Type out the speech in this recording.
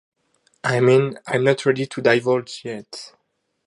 I mean, I'm just not ready to divulge yet.